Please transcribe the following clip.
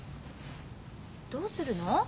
どうするの？